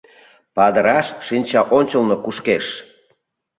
Падыраш шинча ончылно кушкеш.